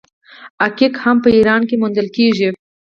عقیق هم په ایران کې موندل کیږي.